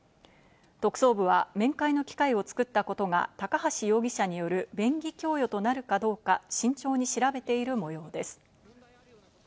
特捜部は面会の機会を作ったことが高橋容疑者による便宜供与となるかどうか、慎重に調べている模様です。